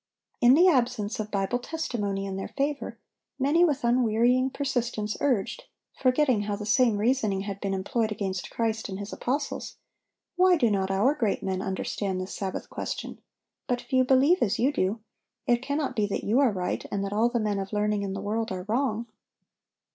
In the absence of Bible testimony in their favor, many with unwearying persistence urged,—forgetting how the same reasoning had been employed against Christ and His apostles,—"Why do not our great men understand this Sabbath question? But few believe as you do. It cannot be that you are right, and that all the men of learning in the world are wrong."